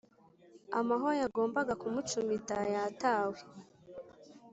amahwa yagombaga kumucumita yatawe